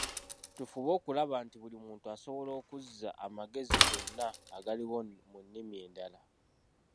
Tufube okulaba nti buli muntu asobola okuza amagezi gonna agaliwo mu nnimi endala.